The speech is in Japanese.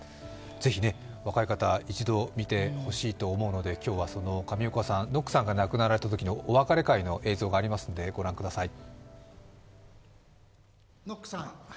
ぜひ若い方、一度見てほしいと思うので、今日はその上岡さん、ノックさんが亡くなられたときのお別れ会の映像がありますのでご覧ください。